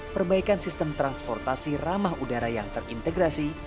perbaikan sistem transportasi ramah udara yang terintegrasi